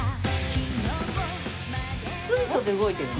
水素で動いてるの？